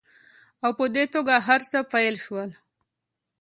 او په دې توګه هرڅه پیل شول